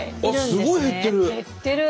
すごい減ってる！